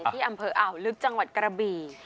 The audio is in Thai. ที่อำเภออ่าวลึกจังหวัดกระบี่